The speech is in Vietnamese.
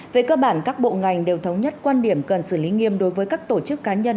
về cơ bản các bộ ngành đều thống nhất quan điểm cần xử lý nghiêm đối với các tổ chức cá nhân